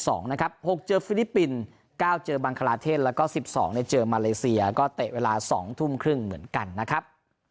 โปรแกรมวันที่๖เจอฟิลิปปินส์โปรแกรมวันที่๙เจอบังคลาเทศแล้วก็๑๒เจอมาเลเซียก็เตะเวลา๒ทุ่มครึ่งเหมือนกันนะครับ